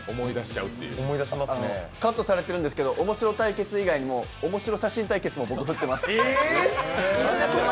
カットされてるんですけど、面白対決以外におもしろ写真対決も僕、振ってます。